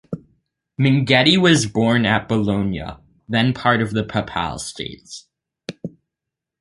Minghetti was born at Bologna, then part of the Papal States.